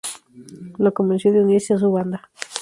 Lo convenció de unirse a su banda.